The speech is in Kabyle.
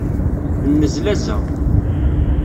Nnezlazeɣ.